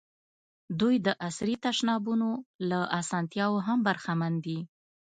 دوی د عصري تشنابونو له اسانتیاوو هم برخمن دي.